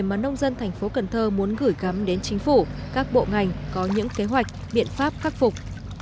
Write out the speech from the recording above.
mà nông dân tp cn muốn gửi gắm đến chính phủ các bộ ngành có những kế hoạch biện pháp khắc phục